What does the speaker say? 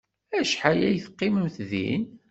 Acḥal ay teqqimemt din?